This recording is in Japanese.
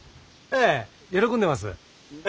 ええ喜んでます。